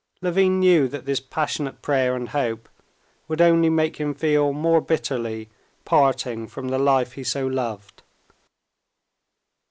Levin knew that this passionate prayer and hope would only make him feel more bitterly parting from the life he so loved.